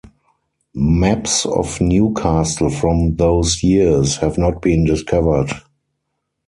Maps of Newcastle from those years have not been discovered.